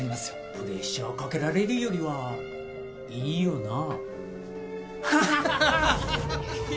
プレッシャーかけられるよりはいいよな